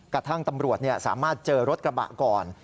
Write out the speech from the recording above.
กระทั่งตำรวจสามารถเจอรถกระบะก่อน